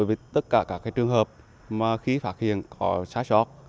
với tất cả các trường hợp khi phát hiện có sá sọt